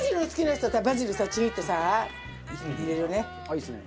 いいですね。